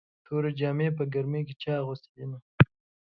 تورې جامې په ګرمۍ چا اغوستې دينه